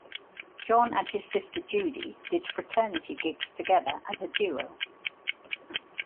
John and his sister Judy did fraternity gigs together as a duo.